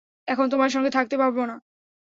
এখন তোমার সঙ্গে থাকতে পারব না।